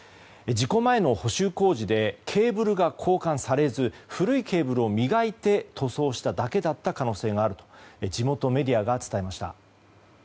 事故前の補修工事でケーブルが交換されず古いケーブルを磨いて塗装しただけだった可能性があると地元メディアが伝えました。